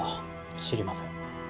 知りません。